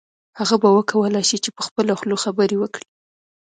هغه به وکولای شي چې په خوله خبرې وکړي